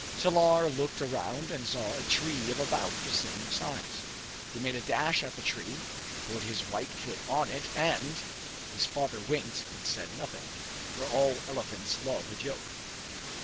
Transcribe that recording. Salar looked around and saw a tree of about the same size. He made a dash at the tree, put his right foot on it, and His father winked, but said nothing. For all elephants love a joke.